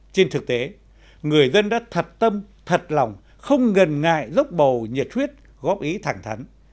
trên thực tế người dân đã thật tâm thật lòng không ngần ngại dốc bầu nhiệt huyết góp ý thẳng thắn